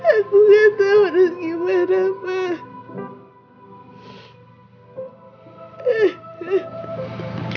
aku gak tau harus gimana pak